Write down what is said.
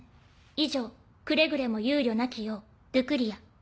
以上くれぐれも憂慮なきようルクリア」。